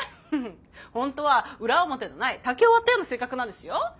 本当は裏表のない竹を割ったような性格なんですよ！